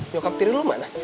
bokap diri lu mana